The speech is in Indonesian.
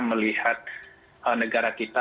melihat negara kita